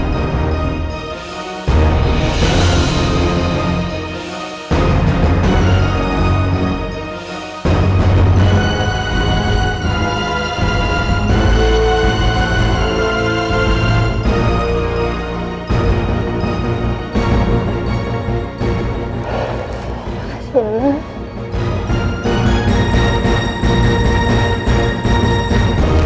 terima kasih mama